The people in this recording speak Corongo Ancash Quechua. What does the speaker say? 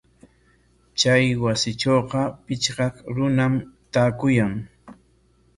Chay wasitrawqa pichqaq runam taakuyan.